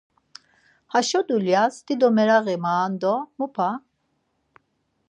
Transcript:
Haşo dulyas dido meraği maven do mu p̌a.